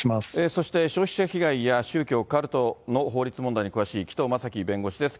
そして消費者被害や宗教・カルトの法律問題に詳しい紀藤正樹弁護士です。